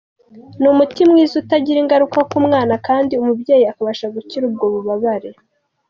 Ni umuti mwiza utagira ingaruka ku mwana kandi umubyeyi akabasha gukira ubwo bubabare.